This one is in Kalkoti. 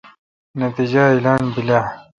نتییجہ اعلان بیل آ؟